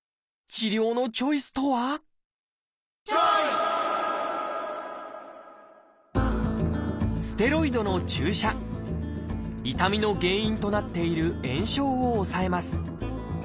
治療のチョイスとは痛みの原因となっている炎症を抑えます。